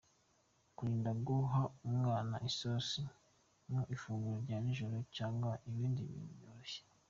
Kwirinda guha umwana isosi mu ifunguro rya nijoro cyangwa ibindi bintu byoroshye.